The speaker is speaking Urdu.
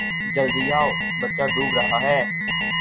جلدی آو؛ بچہ ڈوب رہا ہے